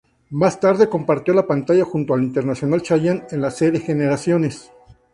Más tarde compartió la pantalla junto al internacional Chayanne en la serie "Generaciones".